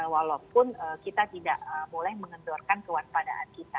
walaupun kita tidak boleh mengendorkan kewaspadaan kita